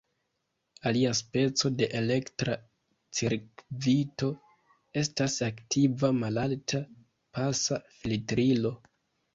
Alia speco de elektra cirkvito estas aktiva malalta-pasa filtrilo.